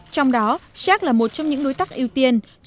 trong đó xác là một trong những đối tác ưu tiên